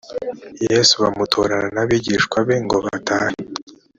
yesu bamutorana n abigishwa be ngo batahe